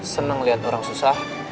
seneng liat orang susah